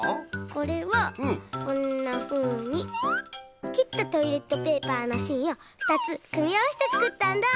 これはこんなふうにきったトイレットペーパーのしんをふたつくみあわせてつくったんだ。